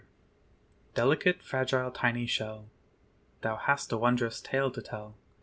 _ Delicate, fragile, tiny shell, Thou hast a wondrous tale to tell.